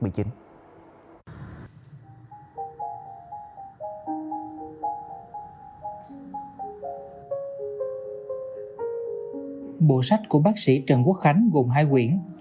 bộ sách của bác sĩ trần quốc khánh gồm hai quyển